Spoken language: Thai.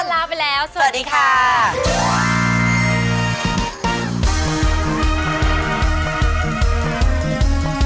ลาไปแล้วสวัสดีค่ะ